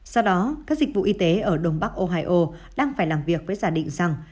sau đó các dịch vụ y tế ở đông bắc ohio đang phải làm việc với giả định rằng